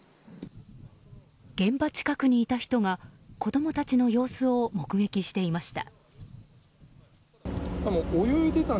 現場近くにいた人が子供たちの様子を目撃していました。